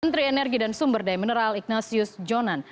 menteri energi dan sumber daya mineral ignatius jonan